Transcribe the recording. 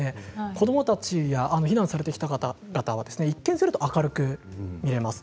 子どもたちや避難されてきた方たちは一見すると明るく見えます。